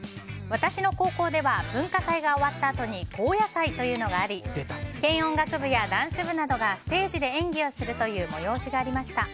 私の高校では文化祭が終わったあとに後夜祭というのがあり軽音楽部やダンス部などがステージで演技をするという催しがありました。